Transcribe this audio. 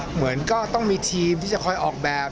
เหมือนก็ต้องมีทีมที่จะคอยออกแบบ